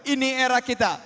ini era kita